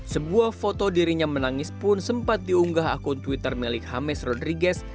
sebuah foto dirinya menangis pun sempat diunggah akun twitter milik hames rodriguez